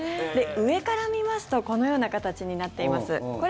上から見ますとこのような形になっています。